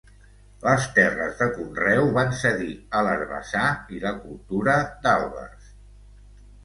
Les terres de conreu van cedir a l'herbassar i la cultura d'àlbers.